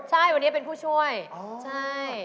ใช่วันนี้เป็นผู้ช่วยใช่